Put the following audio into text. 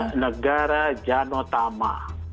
ya negara janotama